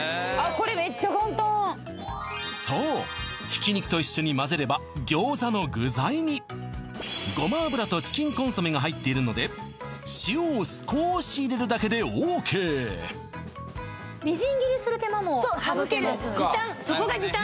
これめっちゃ簡単そうひき肉と一緒にまぜればごま油とチキンコンソメが入っているので塩を少し入れるだけでＯＫそう省ける時短時短